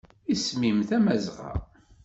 Isem-im Tamazɣa.